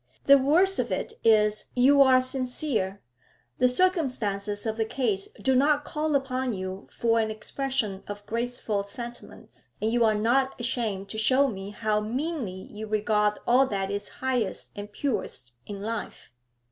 The worst of it is you are sincere: the circumstances of the case do not call upon you for an expression of graceful sentiments, and you are not ashamed to show me how meanly you regard all that is highest and purest in life.'